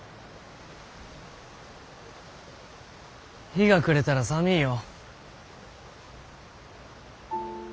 日が暮れたら寒いよ。